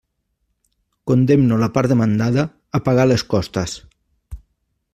Condemno la part demandada a pagar les costes.